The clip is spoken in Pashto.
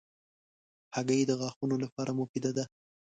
هګۍ د غاښونو لپاره مفیده ده.